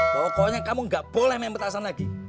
pokoknya kamu gak boleh main petasan lagi